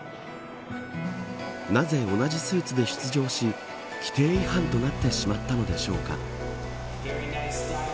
なぜ同じスーツで出場し規定違反となってしまったのでしょうか。